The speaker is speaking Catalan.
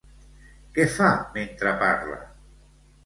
Què fa mentre parla?